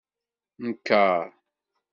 Nker!